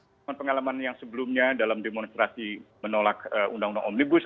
pengalaman pengalaman yang sebelumnya dalam demonstrasi menolak undang undang omnibus